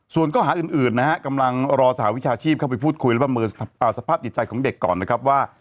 ส่วนข้อหาอื่นนะฮะกำลังรอสหวิชาชีพเข้าไปพูดคุยและประเมินสภาพจิตใจของเด็กก่อนนะครับว่า